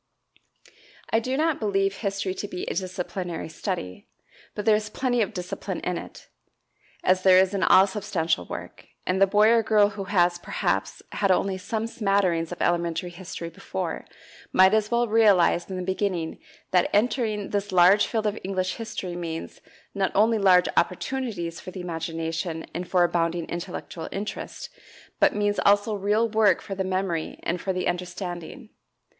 I do not believe history to be a "disciplinary study," but there is plenty of discipline in it, as there is in all substantial work, and the boy or girl who has, perhaps, had only some smatterings of elementary history before, might as well realize in the beginning that entering this large field of English history means, not only large opportunities for the imagination and for abounding intellectual interest, but means also real work for the memory and for the understanding.